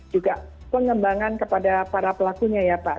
juga pengembangan kepada para pelakunya ya pak